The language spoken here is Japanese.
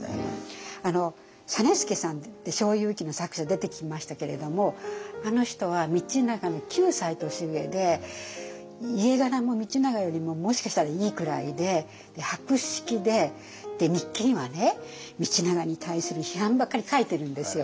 実資さんって「小右記」の作者出てきましたけれどもあの人は道長の９歳年上で家柄も道長よりももしかしたらいいくらいで博識で日記にはね道長に対する批判ばっかり書いてるんですよ。